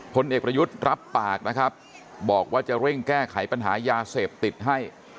พลเอกประยุทธ์รับปากนะครับบอกว่าจะเร่งแก้ไขปัญหายาเสพติดให้